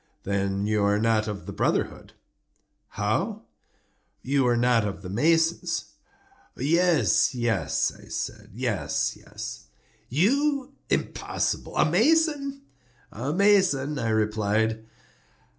"Then you are not of the brotherhood." "How?" "You are not of the masons." "Yes, yes," I said, "yes, yes." "You? Impossible! A mason?" "A mason," I replied.